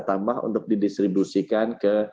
tambah untuk didistribusikan ke